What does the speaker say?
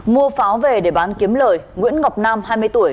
mua pháo về để bán kiếm lời nguyễn ngọc nam hai mươi tuổi